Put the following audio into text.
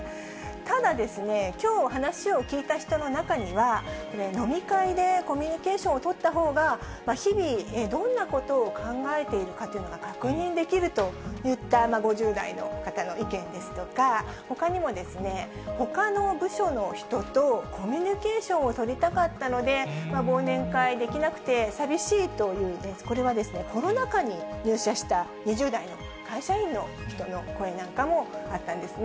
ただですね、きょう話を聞いた人の中には、飲み会でコミュニケーションを取ったほうが、日々、どんなことを考えているかというのが確認できるといった５０代の方の意見ですとか、ほかにも、ほかの部署の人とコミュニケーションを取りたかったので、忘年会できなくて寂しいというですね、これはコロナ禍に入社した２０代の会社員の人の声なんかもあったんですね。